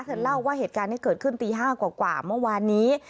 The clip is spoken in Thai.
เธอเล่าว่าเหตุการณ์นี้เกิดขึ้นตี๕กว่าเมื่อวานนี้